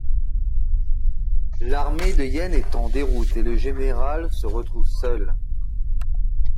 L’armée de Yen est en déroute et le général se retrouve seul.